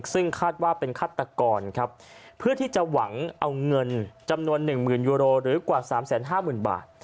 ซึ่งคาดว่าเป็นฆาตกรครับเพื่อที่จะหวังเอาเงินจำนวน๑๐๐๐ยูโรหรือกว่า๓๕๐๐๐บาท